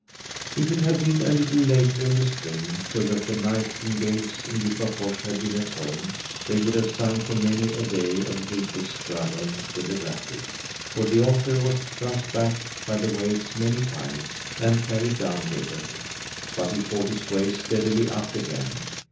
If it had been a little later in the spring, so that the nightingales in Djupafors had been at home, they would have sung for many a day of Gripe's struggle with the rapid. For the otter was thrust back by the waves many times, and carried down river; but he fought his way steadily up again.